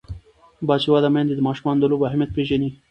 باسواده میندې د ماشومانو د لوبو اهمیت پېژني.